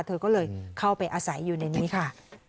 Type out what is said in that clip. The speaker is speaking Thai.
เธอก็เลยเข้าไปอาศัยอยู่ในนี้ค่ะ